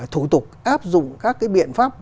thủ tục áp dụng các cái biện pháp